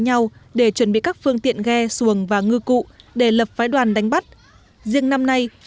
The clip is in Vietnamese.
nhau để chuẩn bị các phương tiện ghe xuồng và ngư cụ để lập phái đoàn đánh bắt riêng năm nay